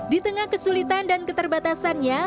di tengah kesulitan dan keterbatasannya